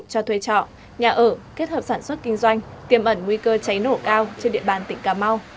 cho thuê trọ nhà ở kết hợp sản xuất kinh doanh tiềm ẩn nguy cơ cháy nổ cao trên địa bàn tỉnh cà mau